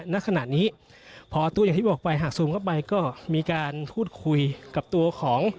ณขณะนี้พอตัวอย่างที่บอกไปหากซูมเข้าไปก็มีการพูดคุยกับตัวของ